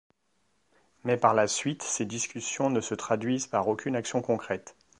Mais par la suite ces discussions ne se traduisent par aucune action concrète.